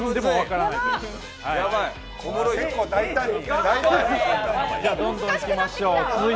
結構大胆に。